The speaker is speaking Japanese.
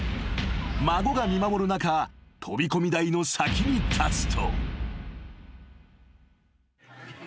［孫が見守る中飛び込み台の先に立つと］